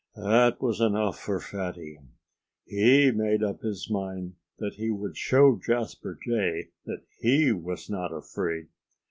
That was enough for Fatty. He made up his mind that he would show Jasper Jay that HE was not afraid.